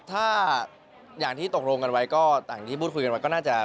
ถ้าอย่างที่ตกลงกันไว้ก็ต่างที่พูดคุยกันไว้ก็น่าจะ